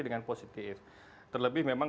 dengan positif terlebih memang